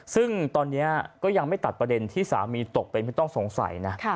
ซึ่งตอนนี้ก็ยังไม่ตัดประเด็นที่สามีตกเป็นผู้ต้องสงสัยนะ